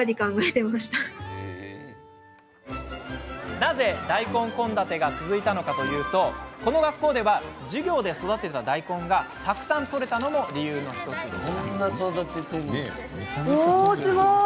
なぜ大根献立が続いたかというとこの学校では授業で育てた大根がたくさん取れたのも理由の１つです。